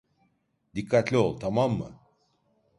Dikkatli ol, tamam mı?